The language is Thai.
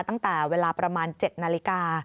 ตั้งแต่เวลาประมาณ๗นาฬิกา